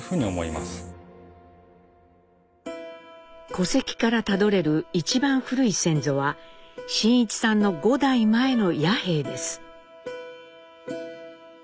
戸籍からたどれる一番古い先祖は真一さんの５代前の弥平です。